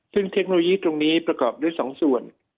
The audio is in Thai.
ซึ่งเทคโนโลยีตรงนี้ประกอบด้วย๒ส่วน